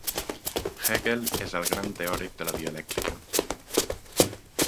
Hegel és el gran teòric de la dialèctica.